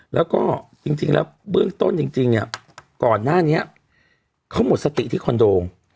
แล้วก็จริงแล้วเบื้องต้นจริงเนี่ยก่อนหน้านี้เขาหมดสติที่คอนโด